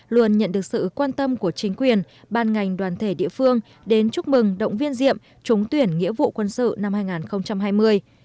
luôn nhận được sự quan tâm của chính quyền ban ngành đoàn thể địa phương đến chúc mừng động viên diệm trúng tuyển nghĩa vụ quân sự năm hai nghìn hai mươi